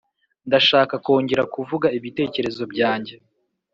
Ndashaka kongera kuvuga ibitekerezo byanjye,